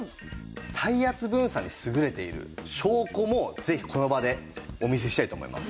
体圧分散に優れている証拠もぜひこの場でお見せしたいと思います。